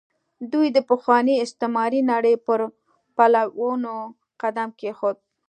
دوی د پخوانۍ استعماري نړۍ پر پلونو قدم کېښود.